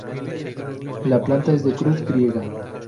La planta es de cruz griega.